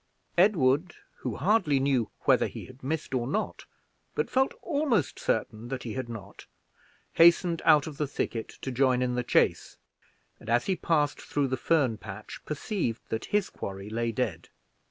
Edward, who hardly knew whether he had missed or not, but felt almost certain that he had not, hastened out of the thicket to join in the chase; and, as he passed through the fern patch, perceived that his quarry lay dead.